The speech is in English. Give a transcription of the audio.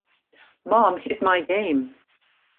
Mom Hid My Game!